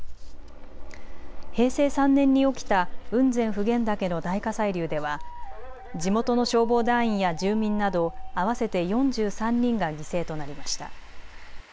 平成３年に起きた雲仙・普賢岳の大火砕流では地元の消防団員や住民など合わせて４３人が犠牲となりました。